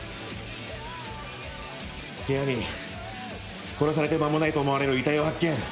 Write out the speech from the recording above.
部屋に殺されて間もないと思われる遺体を発見。